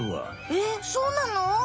えっそうなの？